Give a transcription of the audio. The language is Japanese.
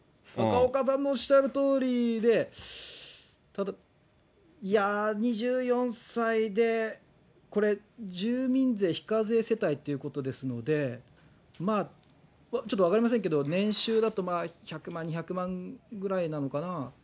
高岡さんのおっしゃるとおりで、ただ、いやー、２４歳で、これ、住民税非課税世帯ということですので、ちょっと分かりませんけど、年収だと１００万、２００万ぐらいなのかな。